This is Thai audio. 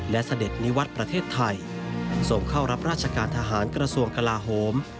และเสด็จนิวัตรประเทศไทยส่งเข้ารับราชการทหารกระทรวงกลาโฮม